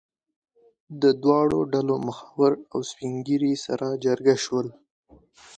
د دواړو ډلو مخور او سپین ږیري سره جرګه شول.